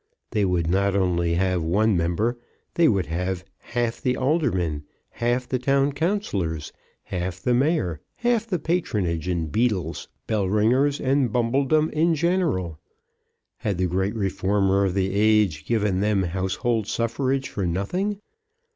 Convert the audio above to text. They would not only have one member, but would have half the aldermen, half the town councillors, half the mayor, half the patronage in beadles, bell ringers and bumbledom in general. Had the great reformer of the age given them household suffrage for nothing?